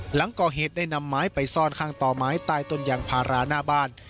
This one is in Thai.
หลังก่อเหตุได้นำไม้ไปซ่อนข้างต่อไม้ใต้ต้นยางพาราหน้าบ้าน